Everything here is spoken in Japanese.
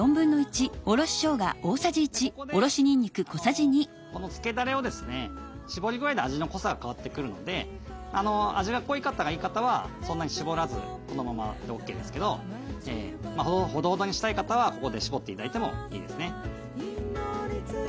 ここでこのつけだれをですねしぼり具合で味の濃さが変わってくるので味が濃い方がいい方はそんなにしぼらずこのままでＯＫですけどほどほどにしたい方はここでしぼって頂いてもいいですね。